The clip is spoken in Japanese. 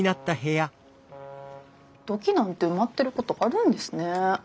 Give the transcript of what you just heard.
土器なんて埋まってることあるんですね。